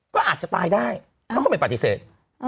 ก็อาจจะตายได้เขาก็ไม่ปฏิเสธ